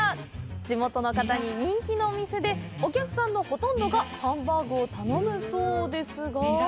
地元の方に人気のお店でお客さんのほとんどがハンバーグを頼むそうですが？